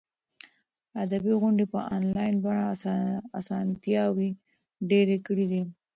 ادبي غونډې په انلاین بڼه اسانتیاوې ډېرې کړي دي.